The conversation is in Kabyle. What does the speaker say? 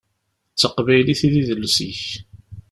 D taqbaylit i d idles-ik.